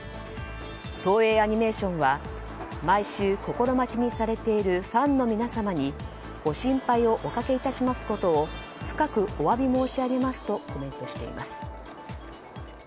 東映アニメーションは毎週心待ちにされているファンの皆様にご心配をおかけ致しますことを深くお詫び申し上げますとコメントしています。